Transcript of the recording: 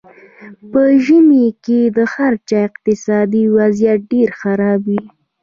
په ژمي کې د هر چا اقتصادي وضیعت ډېر خراب وي.